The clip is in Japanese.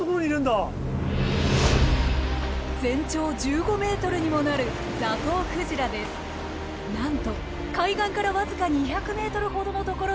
全長１５ｍにもなるなんと海岸から僅か２００ｍほどのところに現れました。